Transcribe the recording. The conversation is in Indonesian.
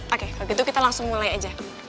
oke kalau gitu kita langsung mulai aja